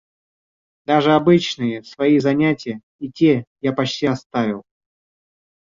Даже обычные свои занятия — и те я почти оставил.